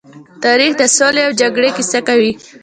تاریخ د سولې او جګړې کيسه کوي.